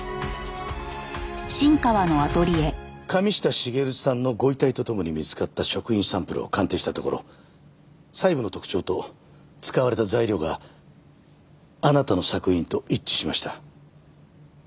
神下茂さんのご遺体と共に見つかった食品サンプルを鑑定したところ細部の特徴と使われた材料があなたの作品と一致しました。